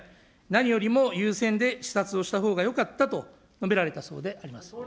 何よりも優先で視察をしたほうがよかったと述べられたそうであります。